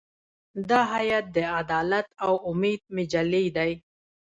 دا هیئت د عدالت او امید مجلې دی.